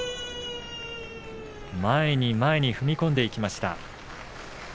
前に前に踏み込んでいきました。